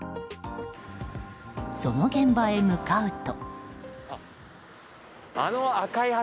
その現場へ向かうと。